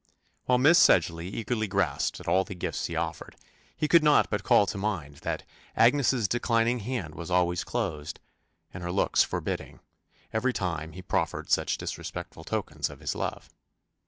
While Miss Sedgeley eagerly grasped at all the gifts he offered, he could not but call to mind "that Agnes's declining hand was always closed, and her looks forbidding, every time he proffered such disrespectful tokens of his love."